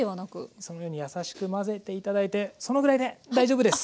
そのように優しく混ぜて頂いてそのぐらいで大丈夫です。